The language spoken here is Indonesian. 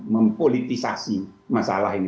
mempolitisasi masalah ini